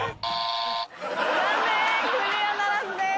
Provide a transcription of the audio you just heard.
残念クリアならずです。